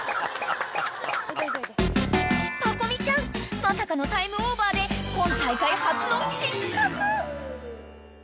［パコ美ちゃんまさかのタイムオーバーで今大会初の失格］